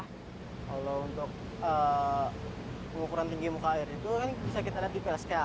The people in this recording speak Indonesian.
kalau untuk pengukuran tinggi muka air itu kan bisa kita lihat di psk